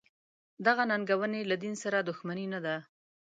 دغه ننګونې له دین سره دښمني نه ده.